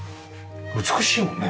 美しいもんね。